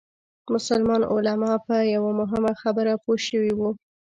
مسلمان علما په یوه مهمه خبره پوه شوي وو.